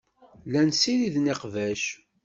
Llan ssiriden iqbac.